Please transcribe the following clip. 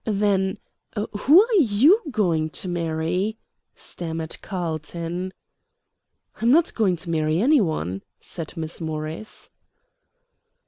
"Then who are YOU going to marry?" stammered Carlton. "I am not going to marry any one," said Miss Morris.